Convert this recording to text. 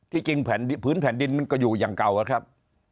จริงพื้นแผ่นดินมันก็อยู่อย่างเก่าอะครับ